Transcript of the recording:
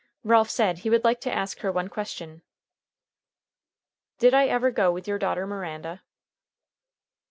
Ralph said he would like to ask her one question. "Did I ever go with your daughter Miranda?"